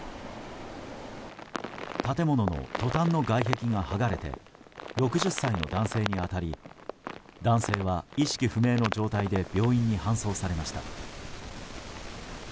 建物のトタンの外壁が剥がれて６０歳の男性に当たり男性は意識不明の状態で病院に搬送されました。